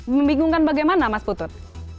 membingungkan bagaimana mas putut